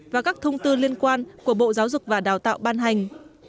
và các thông tư liên quan của bộ giáo dục và đào tạo ban hành